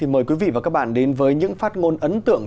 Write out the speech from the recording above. mời quý vị và các bạn đến với những phát ngôn ấn tượng